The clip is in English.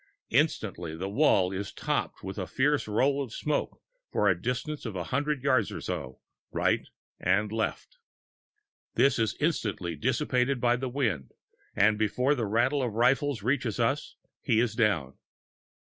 Instantly the wall is topped with a fierce roll of smoke for a distance of hundreds of yards to, right and left. This is as instantly dissipated by the wind, and before the rattle of the rifles reaches us, he is down.